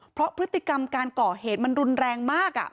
เพราะพฤติกรรมการก่อเหตุมันรุนแรงมาก